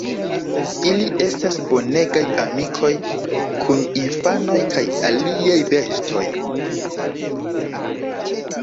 Ili estas bonegaj amikoj kun infanoj kaj aliaj bestoj.